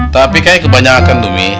tapi kayak kebanyakan tuh mih